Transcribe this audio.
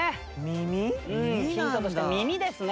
ヒントとして耳ですね。